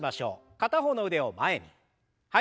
片方の腕を前に。